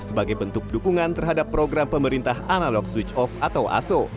sebagai bentuk dukungan terhadap program pemerintah analog switch off atau aso